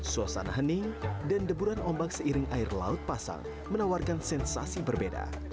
suasana hening dan deburan ombak seiring air laut pasang menawarkan sensasi berbeda